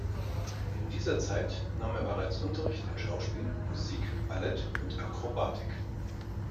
In dieser Zeit nahm er bereits Unterricht in Schauspiel, Musik, Ballett und Akrobatik.